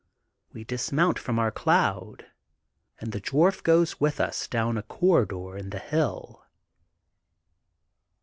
We dismount from our cloud and the dwarf goes with us down a corridor in the hill.